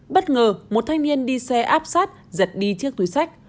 bất ngờ một thanh niên đi xe áp sát giật đi chiếc túi sách